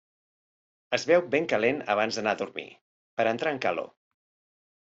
Es beu ben calent abans d'anar a dormir, per entrar en calor.